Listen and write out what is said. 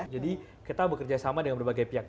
jadi kita bekerja sama dengan berbagai pihak